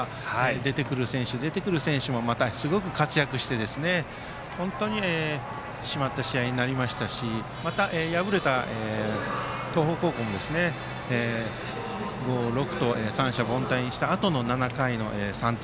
出てくる選手、出てくる選手もすごく活躍して本当に締まった試合になりましたしまた敗れた東邦高校も５、６と三者凡退にしたあと７回の３点。